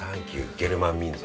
ゲルマン民族。